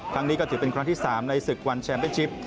ครั้งนี้ก็ถือเป็นครั้งที่๓ในศึกวันแชมเป็นชิป